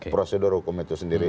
prosedur hukum itu sendiri